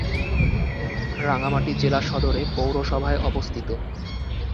রাঙ্গামাটি জেলা সদর এ পৌরসভায় অবস্থিত।